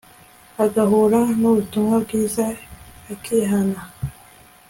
agahura n'ubutumwa bwiza, akihana